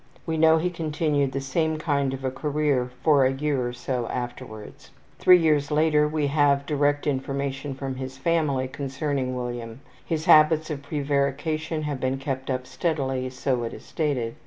We know he continued the same kind of a career for a year or so afterwards. Three years later we have direct information from his family concerning William. His habits of prevarication have been kept up steadily, so it is stated.